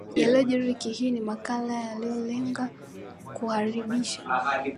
yaliojiri wiki hii ni makala yanayolenga kukuhabarisha